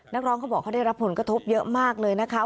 นักร้องเขาบอกเขาได้รับผลกระทบเยอะมากเลยนะคะ